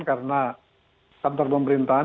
karena kantor pemerintahan